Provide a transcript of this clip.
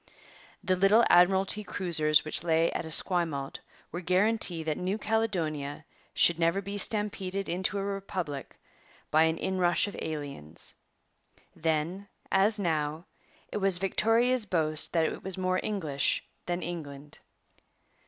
The little Admiralty cruisers which lay at Esquimalt were guarantee that New Caledonia should never be stampeded into a republic by an inrush of aliens. Then, as now, it was Victoria's boast that it was more English than England.